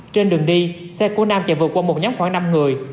trên đường đi xe của nam chạy vượt qua một nhóm khoảng năm người